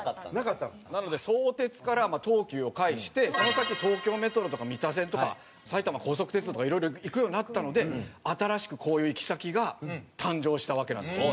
なので相鉄から東急を介してその先東京メトロとか三田線とか埼玉高速鉄道とかいろいろ行くようになったので新しくこういう行き先が誕生したわけなんですよ。